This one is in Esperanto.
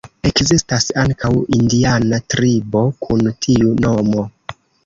Ekzistas ankaŭ indiana tribo kun tiu nomo.